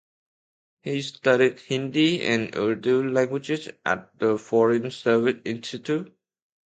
He studied Hindi and Urdu languages at the Foreign Service Institute.